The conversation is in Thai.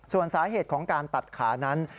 ส่วนสาเหตุของการตัดขานั้น